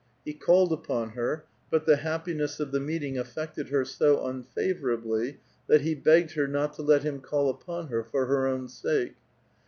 He called upon her, but the happiness of tlie meeting affected her so unfavorably that lie begged her not to let him call upou her for her own sake.